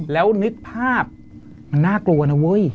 แล้วนึกภาพมันน่ากลัวนะเว้ย